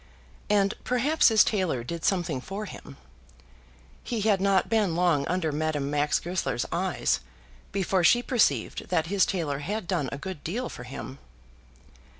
And perhaps his tailor did something for him. He had not been long under Madame Max Goesler's eyes before she perceived that his tailor had done a good deal for him.